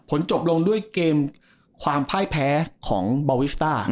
จบลงด้วยเกมความพ่ายแพ้ของบาวิสต้า